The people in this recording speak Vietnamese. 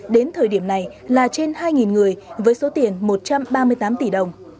đến thời điểm này là trên hai người với số tiền một trăm ba mươi tám tỷ đồng